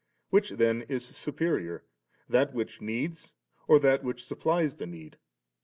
Which then is superior, that which needs or that which supplies the need?